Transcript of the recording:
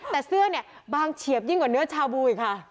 แต่เสื้อเนี่ยบางเฉียบยิ่งกว่าเนื้อชาบูอีกค่ะ